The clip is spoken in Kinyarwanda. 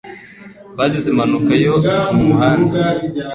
Twagize impanuka yo mu muhanda